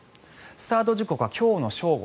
スタート時刻は今日の正午。